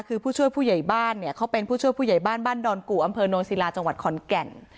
คือผู้ช่วยผู้ใหญ่บ้านเนี่ยเขาเป็นผู้ช่วยผู้ใหญ่บ้านบ้านดอนกู่อำเภอโนนศิลาจังหวัดขอนแก่น